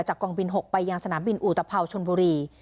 กองบิน๖ไปยังสนามบินอุตภัวชนบุรี